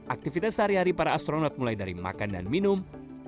aktivitas sehari hari para astronot mulai dari makan dan minum